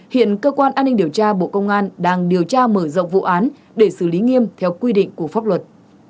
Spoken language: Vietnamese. hiện cơ quan an ninh điều tra bộ công an đang điều tra mở rộng vụ án để xử lý nghiêm theo quy định của pháp luật